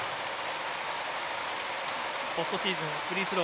ポストシーズン、フリースロー